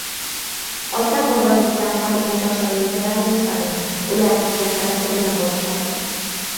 Ota-bobongizdan qolgan toshoynaga razm soling — ular sizga qarab turgan bo‘lishadi.